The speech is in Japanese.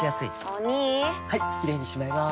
お兄はいキレイにしまいます！